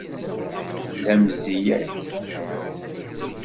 La mzeyya-k!